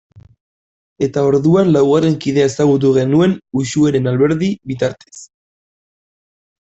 Eta orduan laugarren kidea ezagutu genuen Uxueren Alberdi bitartez.